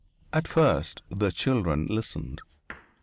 At first the children listened.